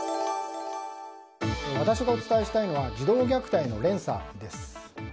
私がお伝えしたいのは児童虐待の連鎖です。